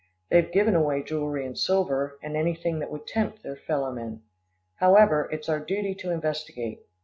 They've given away jewelry and silver, and anything that would tempt their fellow men. However, it's our duty to investigate.